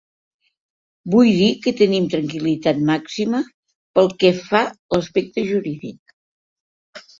Vull dir que tenim tranquil·litat màxima pel que fa a l’aspecte jurídic.